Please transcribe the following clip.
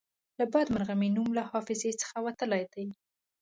له بده مرغه مې نوم له حافظې څخه وتلی دی.